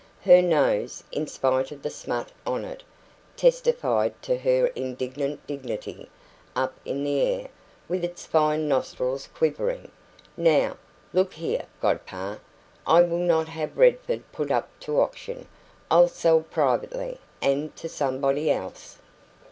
Her nose, in spite of the smut on it, testified to her indignant dignity, up in the air, with its fine nostrils quivering. "Now, look here, godpapa I will not have Redford put up to auction. I'll sell privately and to somebody else."